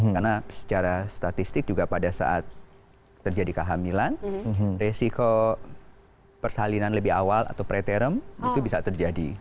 karena secara statistik juga pada saat terjadi kehamilan resiko persalinan lebih awal atau pre terim itu bisa terjadi